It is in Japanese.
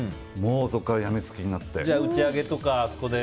そこからやみつきになって。